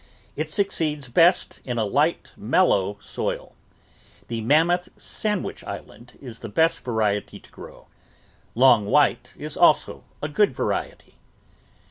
It succeeds best in a light, mellow soil. The Mam moth Sandwich Island is the best variety to grow, Long White is also a good variety.